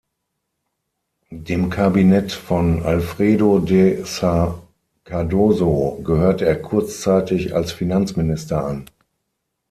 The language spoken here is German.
Dem Kabinett von Alfredo de Sá Cardoso gehörte er kurzzeitig als Finanzminister an.